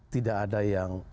tidak ada yang